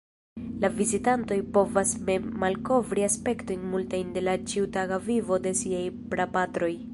La vizitantoj povas mem malkovri aspektojn multajn de la ĉiutaga vivo de siaj prapatroj.